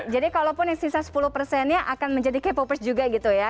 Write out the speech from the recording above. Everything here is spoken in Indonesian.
jadi kalaupun yang sisa sepuluh nya akan menjadi k popers juga gitu ya